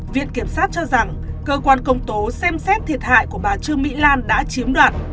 viện kiểm sát cho rằng cơ quan công tố xem xét thiệt hại của bà trương mỹ lan đã chiếm đoạt